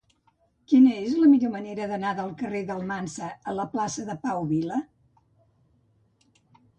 Quina és la millor manera d'anar del carrer d'Almansa a la plaça de Pau Vila?